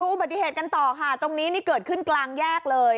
อุบัติเหตุกันต่อค่ะตรงนี้นี่เกิดขึ้นกลางแยกเลย